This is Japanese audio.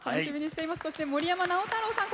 そして、森山直太朗さん